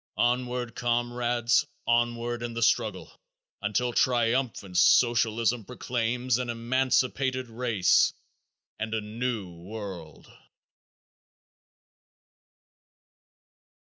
Onward, comrades, onward in the struggle, until Triumphant Socialism proclaims an Emancipated Race and a New World!